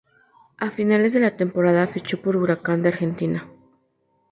A finales de la temporada fichó por Huracán de Argentina.